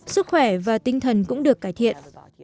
sức khỏe và tinh thần cũng được cải thiện